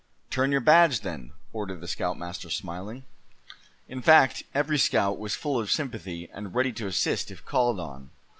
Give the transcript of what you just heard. "Turn your badge, then," ordered the scoutmaster, smiling. "In fact, every scout was full of sympathy, and ready to assist if called on.